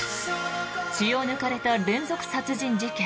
血を抜かれた連続殺人事件。